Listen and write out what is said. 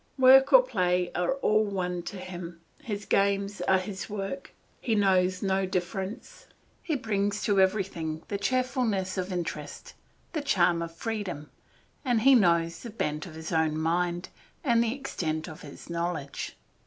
Work or play are all one to him, his games are his work; he knows no difference. He brings to everything the cheerfulness of interest, the charm of freedom, and he shows the bent of his own mind and the extent of his knowledge.